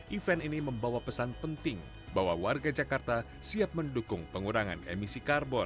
event ini membawa pesan penting bahwa warga jakarta siap mendukung pengurangan emisi karbon